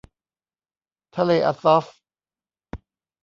ทะเลอะซอฟ